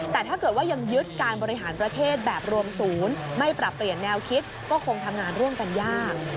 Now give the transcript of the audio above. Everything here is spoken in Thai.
แต่ถ้าเกิดว่ายังยึดการบริหารประเทศแบบรวมศูนย์ไม่ปรับเปลี่ยนแนวคิดก็คงทำงานร่วมกันยาก